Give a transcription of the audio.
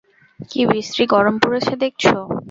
কী বিশ্রী গরম পড়েছে দেখছ?